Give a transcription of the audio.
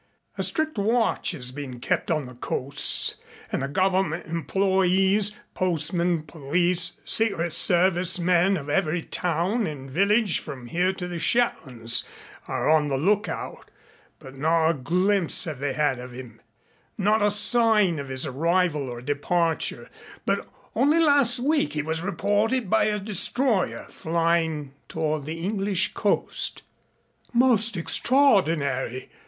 A strict watch is being kept on the coasts, and the government employees the postmen, police, secret service men of every town and village from here to the Shetlands are on the lookout but not a glimpse have they had of him, not a sign of his arrival or departure, but only last week he was reported by a destroyer flying toward the English coast." "Most extraordinary!"